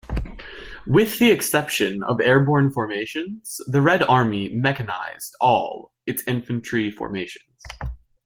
With the exception of airborne formations, the Red Army mechanized all its infantry formations.